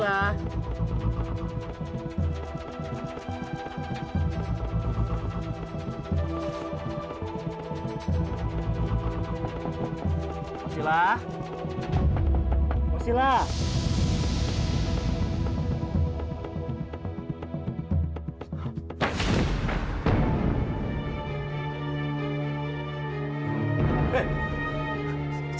aku sudah berhenti